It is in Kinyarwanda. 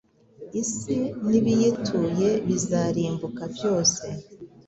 Isi n’ibiyituye bizarimbuka byose